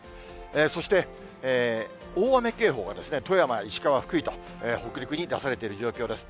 そして大雨警報が富山、石川、福井と、北陸に出されている状況です。